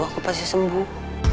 aku pasti sembuh